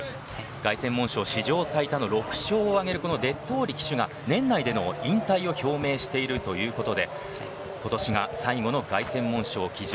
凱旋門賞史上最多の６勝を挙げるデットーリ騎手が年内での引退を表明しているということで今年が最後の凱旋門賞騎乗